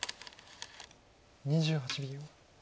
２８秒。